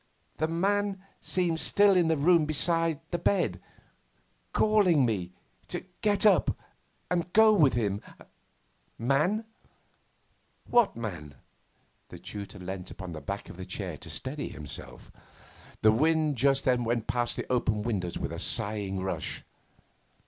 The man seemed still in the room beside the bed, calling me to get up and go with him ' 'Man! What man?' The tutor leant upon the back of a chair to steady himself. The wind just then went past the open windows with a singing rush.